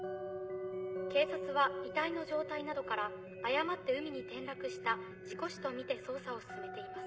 警察は遺体の状態などから誤って海に転落した事故死とみて捜査を進めています。